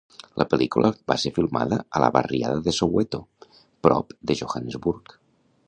La pel·lícula va ser filmada a la barriada de Soweto, prop de Johannesburg.